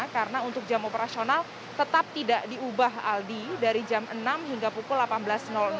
karena untuk jam operasional tetap tidak diubah aldi dari jam enam hingga pukul delapan belas